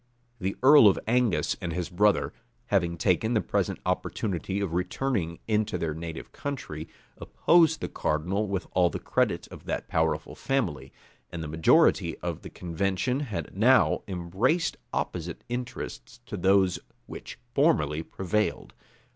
The earl of Angus and his brother, having taken the present opportunity of returning into their native country, opposed the cardinal with all the credit of that powerful family; and the majority of the convention had now embraced opposite interests to those which formerly prevailed.